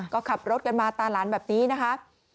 ก็ขับรถกันมาตาหลานแบบนี้นะคะ